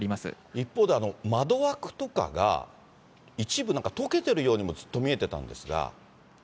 一方で、窓枠とかが、一部、溶けてるようにもずっと見えてたんですが。